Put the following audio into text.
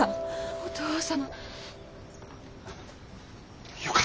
お父様！